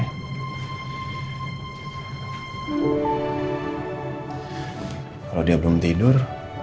kalo dia belum tidur